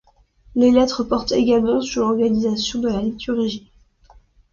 Les lettres portent également sur l'organisation de la liturgie.